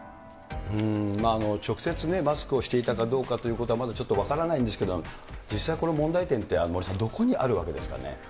直接ね、マスクをしていたかどうかということはまだちょっと分からないんですけども、実際、この問題点って森さん、どこにあるわけですかね？